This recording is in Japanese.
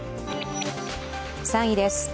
３位です。